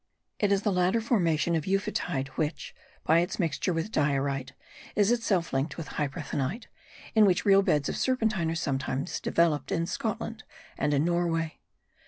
It is the latter formation of euphotide which, by its mixture with diorite, is itself linked with hyperthenite, in which real beds of serpentine are sometimes developed in Scotland and in Norway.